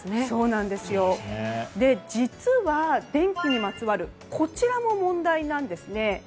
実は電気にまつわるこちらも問題なんですね。